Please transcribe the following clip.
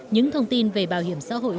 những thông tin về bảo hiểm xã hội